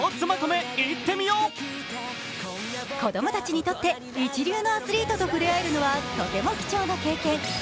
子供たちにとって一流のアスリートと触れあえるのはとても貴重な経験。